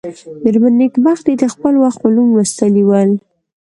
مېرمن نېکبختي د خپل وخت علوم لوستلي ول.